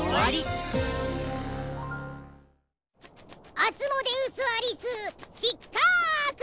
アスモデウス・アリス失格ーッ！